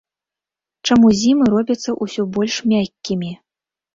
Чаму зімы робяцца ўсё больш мяккімі?